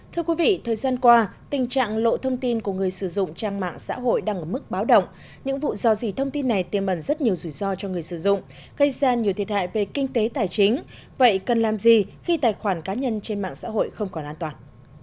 thưa quý vị thời gian qua tình trạng lộ thông tin của người sử dụng trang mạng xã hội đang ở mức báo động những vụ dò dỉ thông tin này tiêm bẩn rất nhiều rủi ro cho người sử dụng gây ra nhiều thiệt hại về kinh tế tài chính vậy cần làm gì khi tài khoản cá nhân trên mạng xã hội không còn an toàn